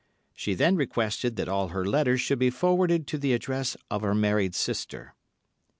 She then requested that all her letters should be forwarded to the address of her married sister.